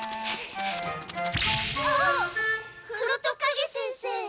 あっ黒戸カゲ先生。